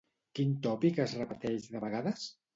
Quin tòpic es repeteix de vegades?